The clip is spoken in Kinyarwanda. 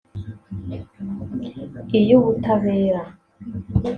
iy’Ubutabera